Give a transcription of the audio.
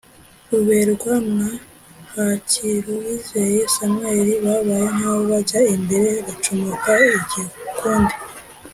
Ruberwa na Hakiruwizeye Samuel babaye nkaho bajya imbere bacomoka igikundi